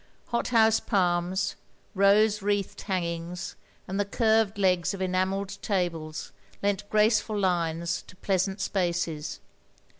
Hothouse palms, rose wreathed hangings, and the curved legs of enamelled tables lent graceful lines to pleasant spaces.